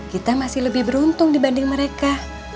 kita masih lebih beruntung dibanding mereka